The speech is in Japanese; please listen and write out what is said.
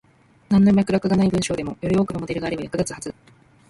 なんの脈絡がない文章でも、より多くのモデルがあれば役立つはず。